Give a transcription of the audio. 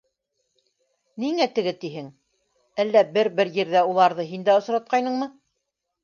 — Ниңә теге тиһең, әллә бер-бер ерҙә уларҙы һин дә осратҡайныңмы?